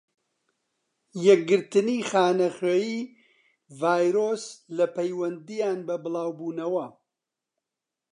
یەکگرتنی خانەخوێی-ڤایرۆس لە پەیوەندیان بە بڵاو بونەوە.